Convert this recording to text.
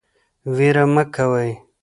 ویره مه کوئ